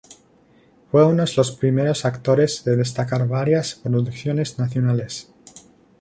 Fue unos los primeros actores de destacar varias producciones nacionales.